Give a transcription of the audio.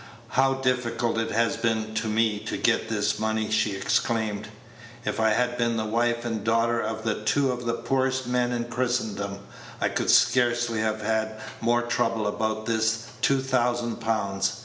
"How difficult it has been to me to get this money!" she exclaimed. "If I had been the wife and daughter of two of the poorest men in Christendom, I could scarcely have had more trouble about this two thousand pounds.